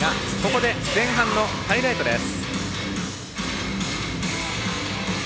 ここで、前半のハイライトです。